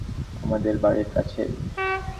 আমাদের বাড়ির কাছেই।